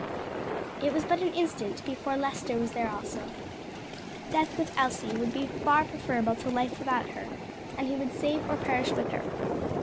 It was but an instant before Lester was there also; death with Elsie would be far preferable to life without her, and he would save or perish with her.